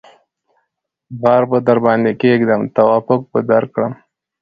ـ غر به درباندې کېږم توافق به درکړم.